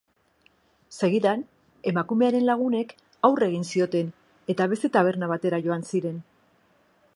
Segidan, emakumearen lagunek aurre egin zioten eta beste taberna batera joan ziren.